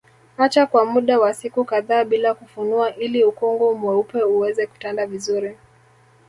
Acha kwa muda wa siku kadhaa bila kufunua ili ukungu mweupe uweze kutanda vizuri